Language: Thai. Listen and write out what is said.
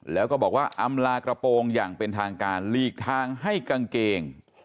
แล้วก็บอกว่าอำลากระโปรงอย่างเป็นทางการหลีกทางให้กางเกง